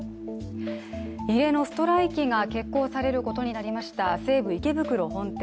異例のストライキが決行されることになりました、西武池袋本店。